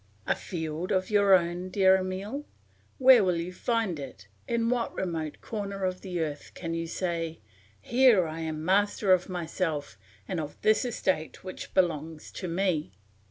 "A field of your own, dear Emile! Where will you find it, in what remote corner of the earth can you say, 'Here am I master of myself and of this estate which belongs to me?'